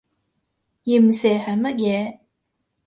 鹽蛇係乜嘢？